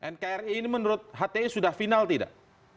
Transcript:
nkri ini menurut hti sudah final tidak